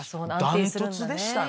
断トツでしたね。